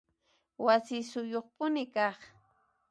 Wasiyuqpuni kaq